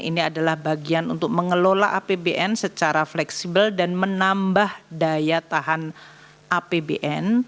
ini adalah bagian untuk mengelola apbn secara fleksibel dan menambah daya tahan apbn